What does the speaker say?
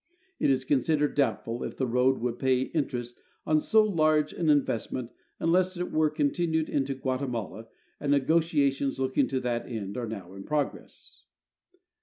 It is considered doubtful if the road would pay interest on so large an investment unless it were continued into Guatemala, and negotiations looking to that end are now in progress.